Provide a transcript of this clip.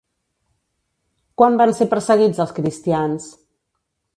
Quan van ser perseguits els cristians?